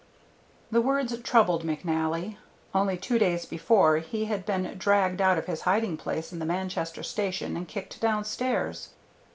The words troubled McNally. Only two days before he had been dragged out of his hiding place in the Manchester station and kicked downstairs.